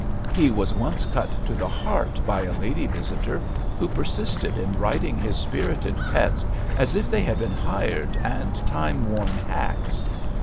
He was once cut to the heart by a lady visitor who persisted in riding his spirited pets as if they had been hired and time worn hacks.